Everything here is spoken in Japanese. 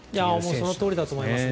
そのとおりだと思いますね。